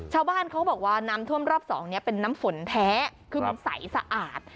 ชาวบ้านเขาบอกว่าน้ำท่วมรอบสองเนี่ยเป็นน้ำฝนแท้คือมันใสสะอาด